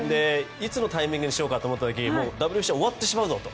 いつのタイミングにしようかと思った時ＷＢＣが終わってしまうぞと。